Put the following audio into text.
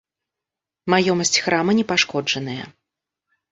Маёмасць храма не пашкоджаная.